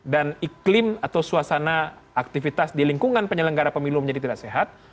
iklim atau suasana aktivitas di lingkungan penyelenggara pemilu menjadi tidak sehat